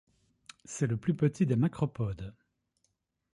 C'est le plus petit des macropodes.